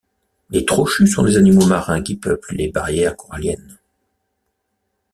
Les trochus sont des animaux marins qui peuplent les barrières coralliennes.